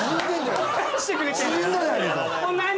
なにしてくれてんだよ